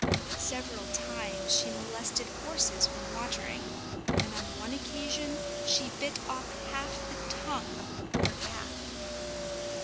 Several times she molested horses when watering, and on one occasion she bit off half the tongue of a poor calf.